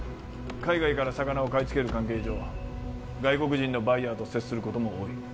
海外から魚を買い付ける関係上外国人のバイヤーと接することも多い